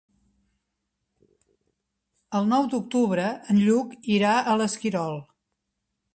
El nou d'octubre en Lluc irà a l'Esquirol.